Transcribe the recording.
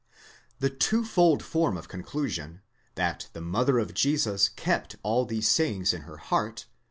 The twofold form of conclusion, that the mother of Jesus kept all these sayings in her heart (v.